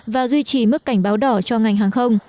và duy trì mức cảnh báo đỏ cho ngành hàng không